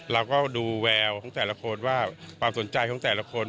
เราก็ดูแววของแต่ละคนว่าความสนใจของแต่ละคน